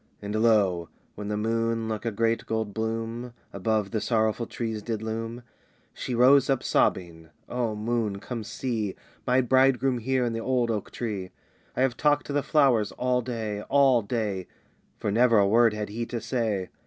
And lo, when the moon, like a great gold bloom Above the sorrowful trees did loom, She rose up sobbing, "O moon, come see My bridegroom here in the old oak tree! "I have talked to the flowers all day, all day, For never a word had he to say.